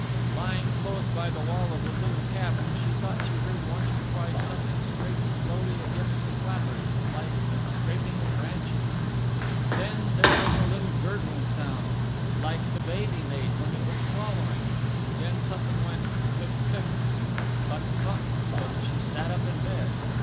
Lying close by the wall of the little cabin, she thought she heard once or twice something scrape slowly against the clapboards, like the scraping of branches. Then there was a little gurgling sound, "like the baby made when it was swallowing"; then something went "click click" and "cluck cluck," so that she sat up in bed.